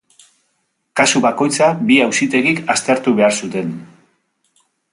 Kasu bakoitza bi auzitegik aztertu behar zuten.